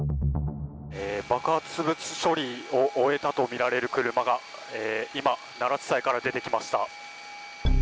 爆発物処理を終えたとみられる車が今、奈良地裁から出てきました。